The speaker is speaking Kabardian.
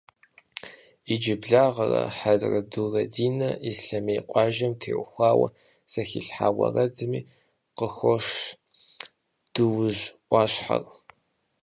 Иджыблагъэ Хьэрэдурэ Динэ Ислъэмей къуажэм теухуауэ зэхилъхьа уэрэдми къыхощ Дуужь ӏуащхьэр.